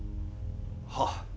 はっ。